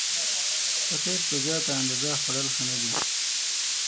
چاکلېټ په زیاته اندازه خوړل ښه نه دي.